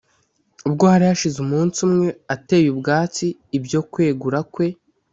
ubwo hari hashize umunsi umwe ateye utwatsi ibyo kwegura kwe